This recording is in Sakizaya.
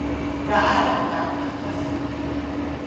caay katekes